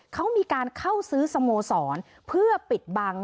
เขามีการเข้าซื้อสโมสรเพื่อปิดบัง